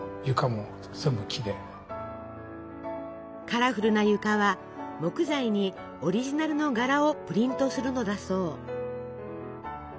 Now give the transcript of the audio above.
カラフルな床は木材にオリジナルの柄をプリントするのだそう。